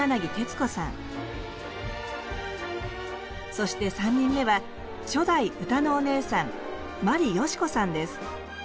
そして３人目は初代歌のお姉さん眞理ヨシコさんです。